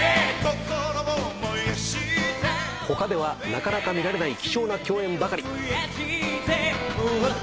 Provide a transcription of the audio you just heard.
他ではなかなか見られない貴重な共演ばかり。